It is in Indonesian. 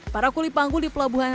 para kuli panggul di pelabuhan